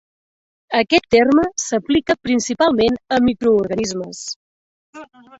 Aquest terme s'aplica principalment a microorganismes.